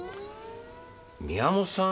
宮元さん